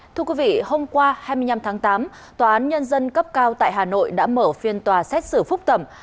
thưa quý vị hôm qua hai mươi năm tháng tám tòa án nhân dân cấp cao tại hà nội đã mở phiên tòa xét xử phúc thẩm